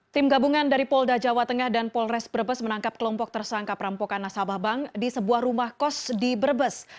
tim gabungan dari polda jawa tengah dan polres brebes menangkap kelompok tersangka perampokan nasabah bank di sebuah rumah kos di brebes